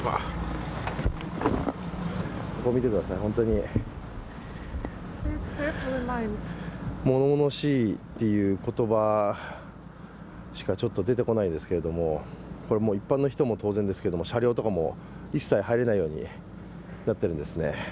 見てください、本当にものものしいという言葉しかちょっと、出てこないですけどもこれ、一般の方も当然ですけども車両とかも一切入れないようになってるんですね。